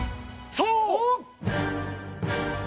そう！